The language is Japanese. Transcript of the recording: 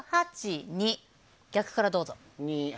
逆からどうぞ。